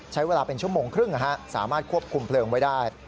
ใช้เวลาเป็นชั่วโมงครึ่งสามารถควบคุมเพลิงไว้ได้